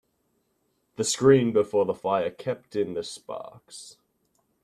The screen before the fire kept in the sparks.